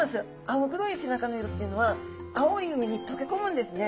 青黒い背中の色っていうのは青い海にとけこむんですね。